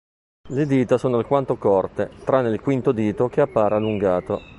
Le dita sono alquanto corte, tranne il quinto dito che appare allungato.